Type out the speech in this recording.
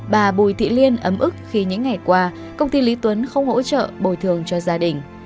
bà bùi thị liên ấm ức khi những ngày qua công ty lý tuấn không hỗ trợ bồi thường cho gia đình